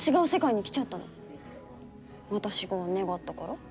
私が願ったから。